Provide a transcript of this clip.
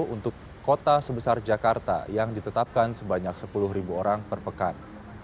untuk kota sebesar jakarta yang ditetapkan sebanyak sepuluh orang per pekan